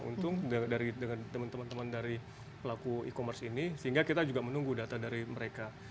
untung dengan teman teman dari pelaku e commerce ini sehingga kita juga menunggu data dari mereka